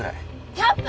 １００分！？